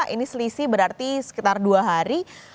ini selisih berarti sekitar dua hari